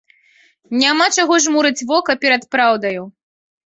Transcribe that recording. Няма чаго жмурыць вока перад праўдаю.